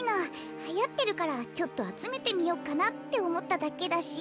はやってるからちょっとあつめてみよっかなっておもっただけだし。